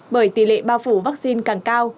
bởi tỷ lệ bao phủ vaccine càng cao